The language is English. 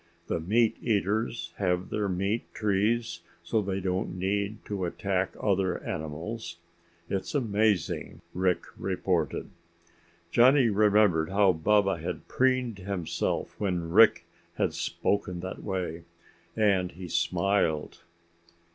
The meat eaters have their meat trees so they don't need to attack other animals it's amazing," Rick reported. Johnny remembered how Baba had preened himself when Rick had spoken that way, and he smiled.